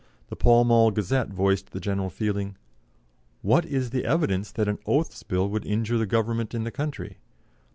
The Pall Mall Gazette voiced the general feeling. "What is the evidence that an Oaths Bill would injure the Government in the country?